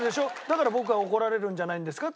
だから僕は怒られるんじゃないんですか？